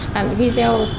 làm những video